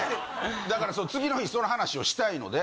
だから次の日その話をしたいので。